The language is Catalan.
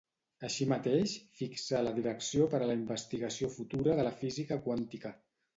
Així mateix fixà la direcció per a la investigació futura de la física quàntica.